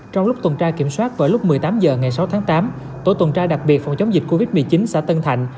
trong lúc tuần tra kiểm soát vào lúc một mươi tám h ngày sáu tháng tám tổ tuần tra đặc biệt phòng chống dịch covid một mươi chín xã tân thạnh